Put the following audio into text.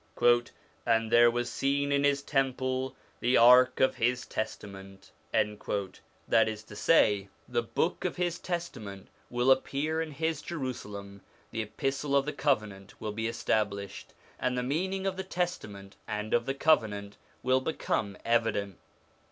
' And there was seen in His temple the ark of His Testament.' That is to say, the Book of His Testament will appear in His Jerusalem, the Epistle of the Covenant l will be established, and the meaning of the Testament and of the Covenant will become evident.